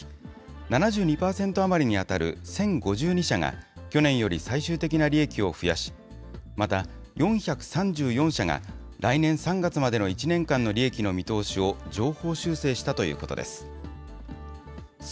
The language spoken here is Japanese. ７２％余りに当たる１０５２社が、去年より最終的な利益を増やし、また、４３４社が来年３月までの１年間の利益の見通しを上方修正したということです。